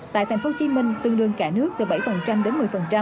tại thành phố hồ chí minh tương đương cả nước từ bảy đến một mươi